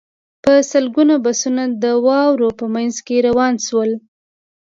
په لسګونه بسونه د واورو په منځ کې روان شول